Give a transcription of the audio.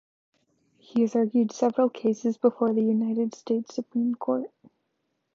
He has argued several cases before the United States Supreme Court.